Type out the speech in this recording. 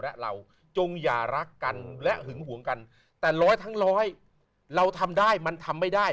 และเราจงอย่ารักกันและหึงหวงกันแต่ร้อยทั้งร้อยเราทำได้มันทำไม่ได้